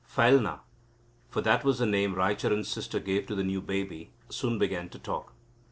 Phailna (for that was the name Raicharan's sister gave to the new baby) soon began to talk.